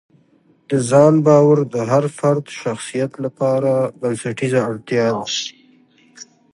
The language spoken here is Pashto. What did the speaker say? د ځان باور د هر فرد شخصیت لپاره بنسټیزه اړتیا ده.